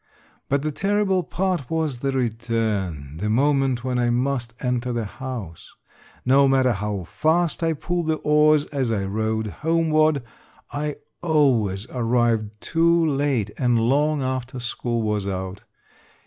But the terrible part was the return, the moment when I must enter the house. No matter how fast I pulled the oars as I rowed homeward, I always arrived too late, and long after school was out.